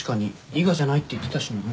伊賀じゃないって言ってたしな。